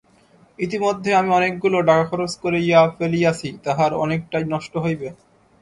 ইতিমধ্যে আমি কতকগুলা টাকা খরচ করিয়া ফেলিয়াছি, তাহার অনেকটাই নষ্ট হইবে।